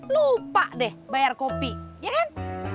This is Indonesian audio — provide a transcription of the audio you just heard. lupa deh bayar kopi ya kan